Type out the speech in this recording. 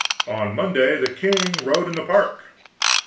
On Monday, the king rode in the park.